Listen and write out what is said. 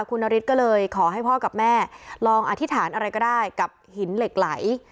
คุณนฤทธิ์ก็เลยขอให้พ่อกับแม่ลองอธิษฐานอะไรก็ได้กับหินเหล็กไหล